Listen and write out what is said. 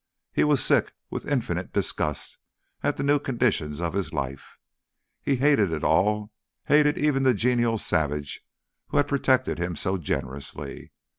He was sick with infinite disgust at the new conditions of his life. He hated it all, hated even the genial savage who had protected him so generously.